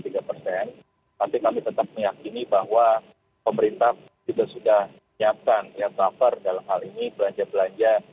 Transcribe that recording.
tapi kami tetap meyakini bahwa pemerintah juga sudah menyiapkan buffer dalam hal ini belanja belanja